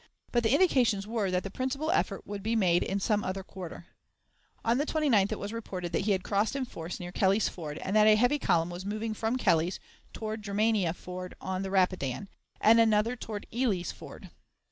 But the indications were that the principal effort would be made in some other quarter. On the 29th it was reported that he had crossed in force near Kelly's Ford, and that a heavy column was moving from Kelly's toward Germania Ford on the Rapidan, and another toward Ely's Ford.